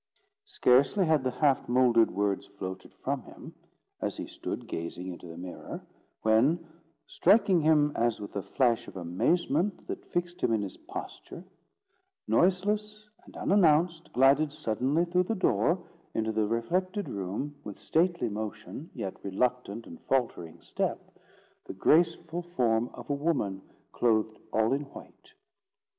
Scarcely had the half moulded words floated from him, as he stood gazing into the mirror, when, striking him as with a flash of amazement that fixed him in his posture, noiseless and unannounced, glided suddenly through the door into the reflected room, with stately motion, yet reluctant and faltering step, the graceful form of a woman, clothed all in white.